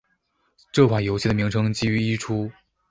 这款游戏的名称基于一出。